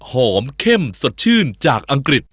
หอมเข้มสดชื่นจากอังกฤษ